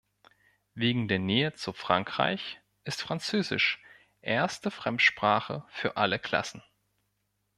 Wegen der Nähe zu Frankreich ist Französisch erste Fremdsprache für alle Klassen.